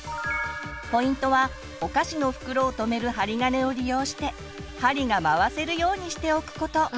ポイントはお菓子の袋をとめる針金を利用して針が回せるようにしておくこと。